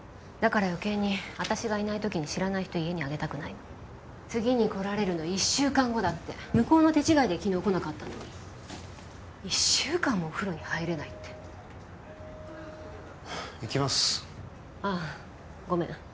だから余計に私がいない時に知らない人家に上げたくないの次に来られるの１週間後だって向こうの手違いで昨日来なかったのに１週間もお風呂に入れないって行きますあっごめん